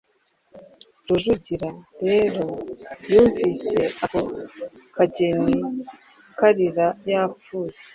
Rujugira rero yumvise ako kageni Kalira yapfuye